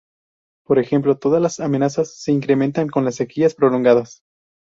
Por ejemplo todas las amenazas se incrementan con las sequías prolongadas.